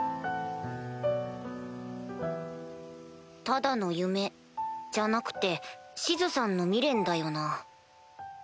ただの夢じゃなくてシズさんの未練だよな。